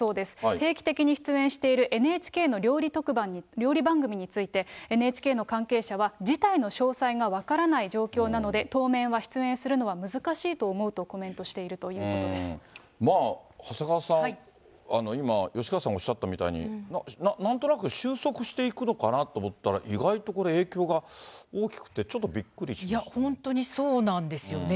定期的に出演しているＮＨＫの料理番組について、ＮＨＫの関係者は、事態の詳細が分からない状況なので、当面は出演するのは難しいと思うとコメントしているといまあ、長谷川さん、今、吉川さんおっしゃったみたいに、なんとなく収束していくのかなと思ったら意外とこれ、影響が大きくて、いや、本当にそうなんですよね。